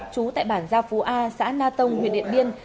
trú tại bản gia phú a xã na tông huyện điện biên